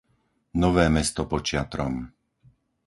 Nové Mesto pod Šiatrom